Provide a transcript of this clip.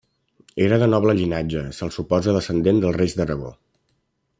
Era de noble llinatge, se'l suposa descendent dels reis d'Aragó.